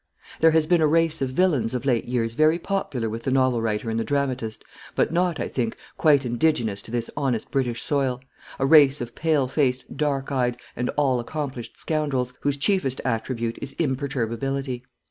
There has been a race of villains of late years very popular with the novel writer and the dramatist, but not, I think, quite indigenous to this honest British soil; a race of pale faced, dark eyed, and all accomplished scoundrels, whose chiefest attribute is imperturbability.